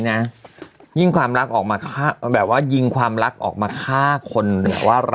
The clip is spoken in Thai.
เหมาะกับการ